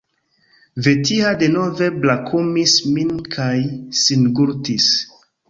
Vetiha denove brakumis min kaj singultis.